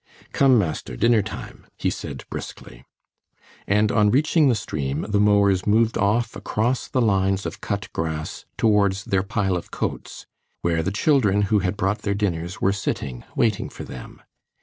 "Come, master, dinner time!" he said briskly. And on reaching the stream the mowers moved off across the lines of cut grass towards their pile of coats, where the children who had brought their dinners were sitting waiting for them.